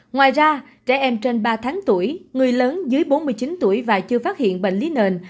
ngoài ra trẻ em trên ba tháng tuổi người lớn dưới bốn mươi chín tuổi và chưa phát hiện bệnh lý nền